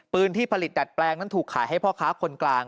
ที่ผลิตดัดแปลงนั้นถูกขายให้พ่อค้าคนกลาง